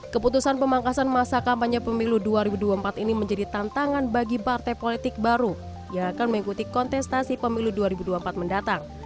keputusan pemangkasan masa kampanye pemilu dua ribu dua puluh empat ini menjadi tantangan bagi partai politik baru yang akan mengikuti kontestasi pemilu dua ribu dua puluh empat mendatang